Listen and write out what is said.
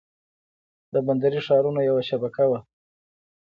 د بندري ښارونو یوه شبکه وه.